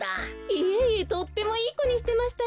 いえいえとってもいいこにしてましたよ。